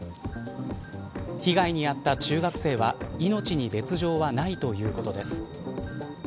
被害に遭った中学生は命に別条はないということです。